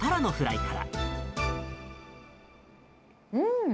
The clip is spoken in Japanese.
うん！